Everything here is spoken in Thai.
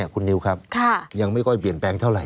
คุณนิวครับยังไม่ค่อยเปลี่ยนแปลงเท่าไห